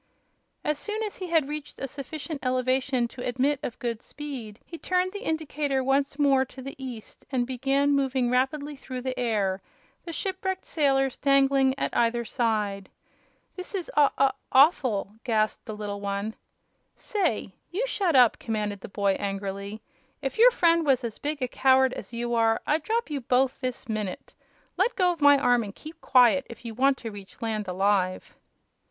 As soon as he had reached a sufficient elevation to admit of good speed he turned the indicator once more to the east and began moving rapidly through the air, the shipwrecked sailors dangling at either side. "This is aw aw awful!" gasped the little one. "Say, you shut up!" commanded the boy, angrily. "If your friend was as big a coward as you are I'd drop you both this minute. Let go my arm and keep quiet, if you want to reach land alive."